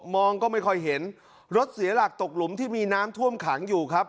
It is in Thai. องก็ไม่ค่อยเห็นรถเสียหลักตกหลุมที่มีน้ำท่วมขังอยู่ครับ